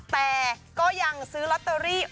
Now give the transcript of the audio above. แต่ก็ยังซื้อลอตเตอรี่